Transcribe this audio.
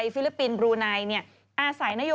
ฟิลิปปินซ์